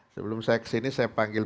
sebelum saya kesini saya panggil